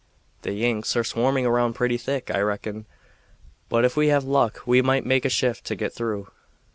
The Yanks are swarming around pretty thick, I reckon; but if we have luck we might make a shift to get through."